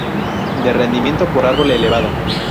De rendimiento por árbol elevado.